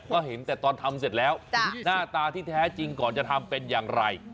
ก็เห็นแต่ตอนทำเสร็จแล้วหน้าตาที่แท้จริงก่อนจะทำเป็นอย่างไร